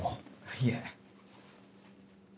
いえ。